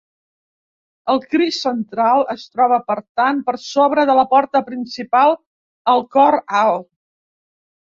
El Crist central es troba, per tant, per sobre de la porta principal al cor alt.